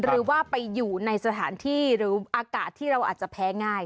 หรือว่าไปอยู่ในสถานที่หรืออากาศที่เราอาจจะแพ้ง่าย